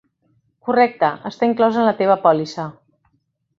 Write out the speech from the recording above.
Correcte, està inclòs en la teva pòlissa.